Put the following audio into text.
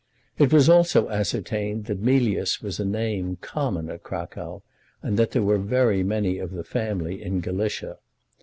It was also ascertained that Mealyus was a name common at Cracow, and that there were very many of the family in Galicia.